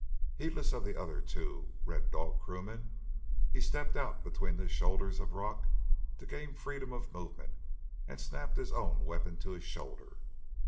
Heedless of the other two Red Dog crewmen, he stepped out between the shoulders of rock to gain freedom of movement and snapped his own weapon to his shoulder.